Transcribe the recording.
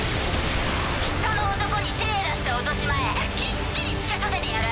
人の男に手ぇ出した落とし前きっちりつけさせてやる。